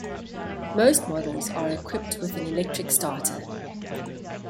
Most models are equipped with an electric starter.